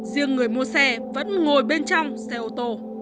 riêng người mua xe vẫn ngồi bên trong xe ô tô